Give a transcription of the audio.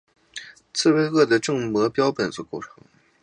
刺猬鳄的正模标本所构成。